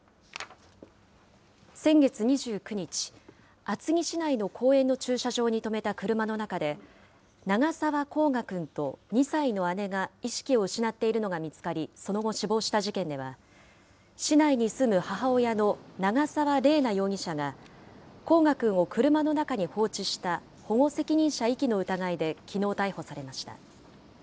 先月２９日、厚木市内の公園の駐車場に止めた車の中で、長澤煌翔くんと２歳の姉が意識を失っているのが見つかり、その後、死亡した事件では、市内に住む母親の長澤麗奈容疑者が、煌翔くんを車の中に放置した保護責任者遺棄の疑いで、きのう逮捕されました。